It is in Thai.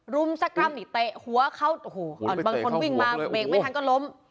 รุมสักกรัมหรือเตะหัวเข้าบางคนวิ่งมาไม่ทันก็ล้ม